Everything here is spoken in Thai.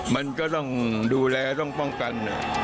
มันก็ต้องดูแลต้องป้องกัน